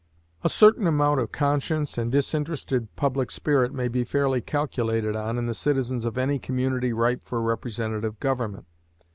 A certain amount of conscience and of disinterested public spirit may fairly be calculated on in the citizens of any community ripe for representative government.